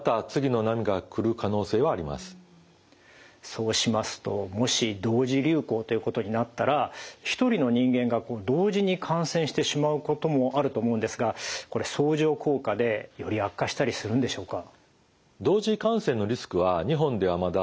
そうしますともし同時流行ということになったら一人の人間が同時に感染してしまうこともあると思うんですが相乗効果でより悪化したりするんでしょうか？